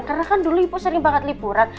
karena kan dulu ibu sering banget liburan